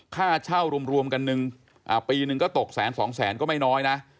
ค่าเช่ารวมกันหนึ่งปีหนึ่งก็ตกแสนสองแสนก็ไม่น้อยนะ